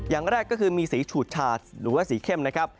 อย่างแรกก็คือมีสีฉูดฉาดหรือว่าสีเข้มนะครับ